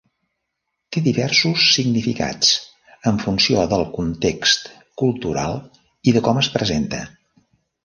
Té diversos significats, en funció del context cultural i de com es presenta.